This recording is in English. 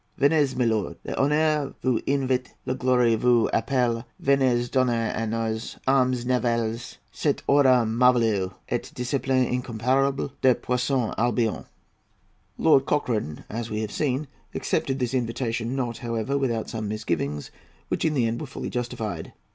"Venez, milord; l'honneur vous invite; la gloire vous appelle. Venez donner à nos armes navales cet ordre merveilleux et discipline incomparable de puissante Albion." Lord Cochrane, as we have seen, accepted this invitation; not, however, without some misgivings, which, in the end, were fully justified.